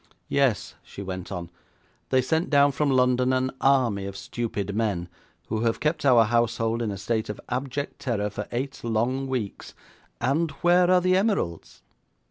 'Yes,' she went on, 'they sent down from London an army of stupid men, who have kept our household in a state of abject terror for eight long weeks, and where are the emeralds?'